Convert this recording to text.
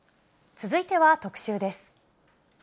続いては特集です。